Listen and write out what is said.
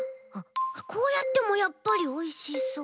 こうやってもやっぱりおいしそう。